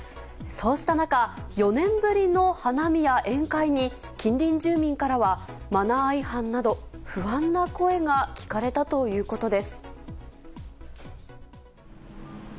そうした中、４年ぶりの花見や宴会に、近隣住民からは、マナー違反など、不安な声が聞かれたということです。